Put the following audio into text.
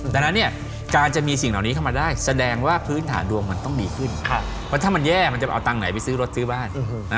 ดังนั้นเนี่ยการจะมีสิ่งเหล่านี้เข้ามาได้แสดงว่าพื้นฐานดวงมันต้องดีขึ้นเพราะถ้ามันแย่มันจะไปเอาตังค์ไหนไปซื้อรถซื้อบ้าน